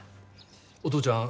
お父ちゃん